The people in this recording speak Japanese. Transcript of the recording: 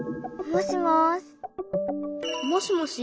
もしもし？